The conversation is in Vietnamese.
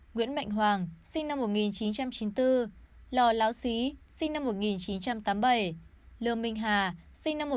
nguyễn mạnh hoàng sinh năm một nghìn chín trăm chín mươi bốn lò láo xí sinh năm một nghìn chín trăm tám mươi bảy lương minh hà sinh năm một nghìn chín trăm tám mươi